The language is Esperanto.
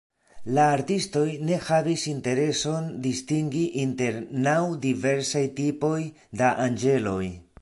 La artistoj ne havis intereson distingi inter naŭ diversaj tipoj da anĝeloj.